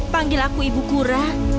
panggil aku ibu kura